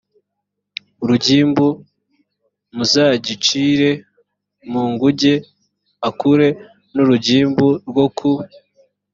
urugimbu m azagicire mu nguge akure n urugimbu rwo ku